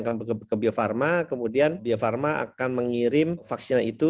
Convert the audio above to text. kami ke bio farma kemudian bio farma akan mengirim vaksin itu